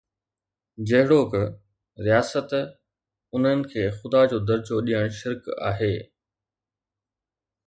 جهڙوڪ، رياست، انهن کي خدا جو درجو ڏيڻ شرڪ آهي.